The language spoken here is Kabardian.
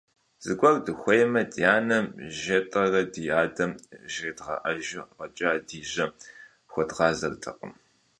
Зыгуэр дыхуеймэ, ди анэм жетӀэрэ ди адэм жредгъэӀэжу фӀэкӀа ди жьэ хуэдгъазэртэкъым.